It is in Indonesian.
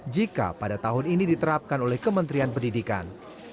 jika pada tahun ini diterapkan oleh kementerian pendidikan